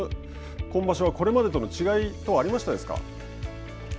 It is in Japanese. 今場所はこれまでの違い等ありましたか。